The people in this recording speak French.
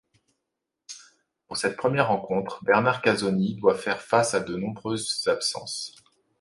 Pour cette première rencontre, Bernard Casoni doit déjà faire face à de nombreuses absences.